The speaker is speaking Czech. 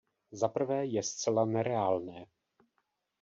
Za prvé, je zcela nereálné.